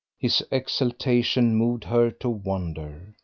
His exaltation moved her to wonder.